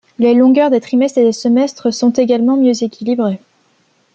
Les longueurs des trimestres et des semestres sont également mieux équilibrées.